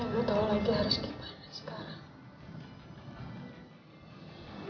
saya mau tau lagi harus gimana sekarang